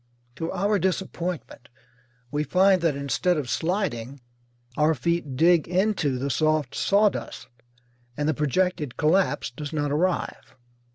To our disappointment we find that instead of sliding our feet dig into the soft sawdust, and the projected collapse does not arrive.